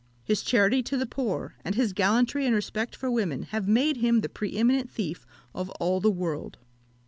His charity to the poor, and his gallantry and respect for women, have made him the pre eminent thief of all the world.